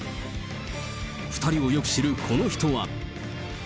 ２人をよく知るこの人は。